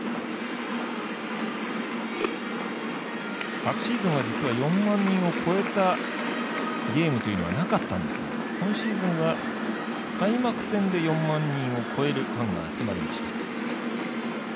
昨シーズンは実は４万人を超えたゲームというのはなかったんですが今シーズンは開幕戦で４万人を超えるファンが集まりました。